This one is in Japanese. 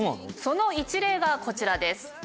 その一例がこちらです。